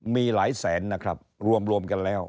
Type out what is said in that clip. มีหลายแสนนะครับรวมกันแล้ว